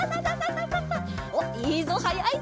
おっいいぞはやいぞ！